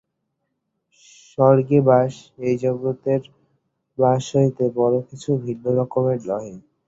স্বর্গে বাস এই জগতের বাস হইতে বড় কিছু ভিন্ন রকমের নহে।